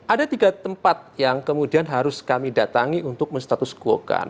ada tiga tempat yang kemudian harus kami datangi untuk menstatuskuokan